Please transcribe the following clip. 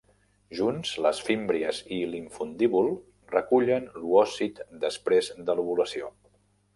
Junts, les fímbries i l'infundíbul recullen l'oòcit després de l'ovulació.